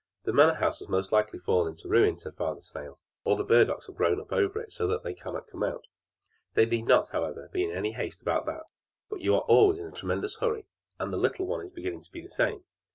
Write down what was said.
"The manor house has most likely fallen to ruin!" said Father Snail. "Or the burdocks have grown up over it, so that they cannot come out. There need not, however, be any haste about that; but you are always in such a tremendous hurry, and the little one is beginning to be the same.